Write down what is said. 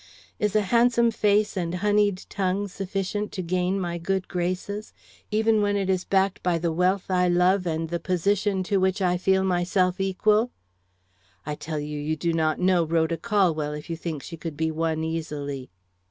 Is a handsome face and honeyed tongue sufficient to gain my good graces, even when it is backed by the wealth. I love and the position to which I feel myself equal? I tell you you do not know Rhoda Colwell, if you think she could be won easily.